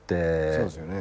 そうですよね。